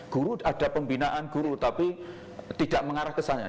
guru ada pembinaan guru tapi tidak mengarah ke sana